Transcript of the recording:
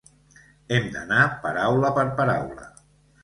Hem d'anar paraula per paraula.